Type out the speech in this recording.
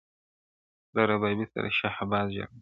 له ربابي سره شهباز ژړله-